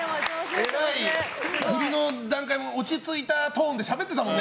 えらい、振りの段階も落ち着いたトーンでしゃべってたもんね。